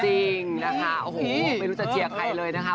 จริงนะคะโอ้โหไม่รู้จะเชียร์ใครเลยนะคะ